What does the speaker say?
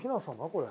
これ。